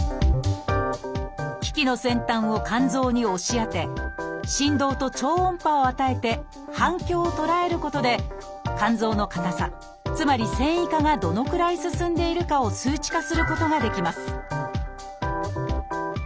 機器の先端を肝臓に押し当て振動と超音波を与えて反響を捉えることで肝臓の硬さつまり線維化がどのくらい進んでいるかを数値化することができます